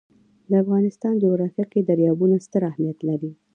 د افغانستان جغرافیه کې دریابونه ستر اهمیت لري.